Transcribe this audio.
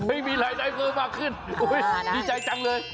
ไม่มีรายได้เพิ่มมากขึ้นดีใจจังเลย